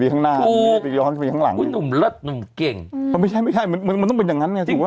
กับต่างเจ้าของงานหรือว่า